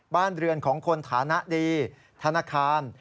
บ้านเรือนของคนฐานะดีธนาคาร